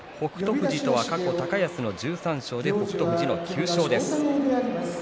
富士とは過去高安の１３勝で北勝富士の９勝です。